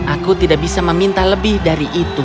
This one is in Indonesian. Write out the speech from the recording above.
aku tidak bisa meminta lebih dari itu